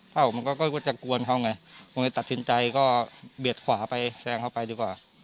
ถ้าผมมันก็มันก็จะกวนเขาไงผมก็ตัดสินใจก็เบียดขวาไปแซงเขาไปดีกว่า